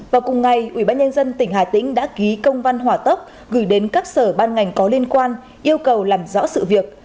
vào cùng ngày ủy ban nhân dân tỉnh hà tĩnh đã ký công văn hỏa tốc gửi đến các sở ban ngành có liên quan yêu cầu làm rõ sự việc